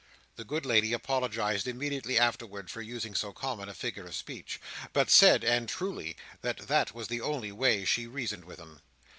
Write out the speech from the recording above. The good lady apologised immediately afterwards for using so common a figure of speech, but said (and truly) that that was the way she reasoned with 'em.